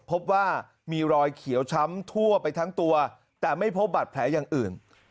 พบว่ามีรอยเขียวช้ำทั่วไปทั้งตัวแต่ไม่พบบัตรแผลอย่างอื่น